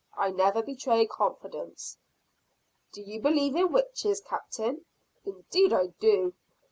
I never betray confidence." "Do you believe in witches, Captain?" "Indeed I do."